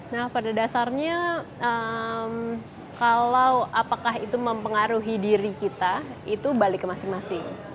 nah pada dasarnya kalau apakah itu mempengaruhi diri kita itu balik ke masing masing